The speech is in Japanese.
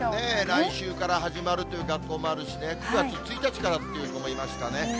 来週から始まるという学校もあるしね、９月１日からっていう子もいましたね。